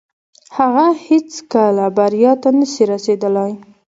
هغه هيڅکه بريا ته نسي رسيدلاي.